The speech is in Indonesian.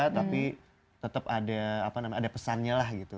tapi tetap ada pesannya lah gitu